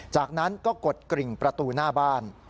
จากนั้นก็กดกริ่งประตูหน้าบ้าน